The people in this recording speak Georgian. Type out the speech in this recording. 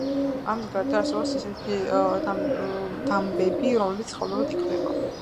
გარდა ამისა, არსებობს ისეთი დამბები, რომლებიც ხელოვნურად იქმნება.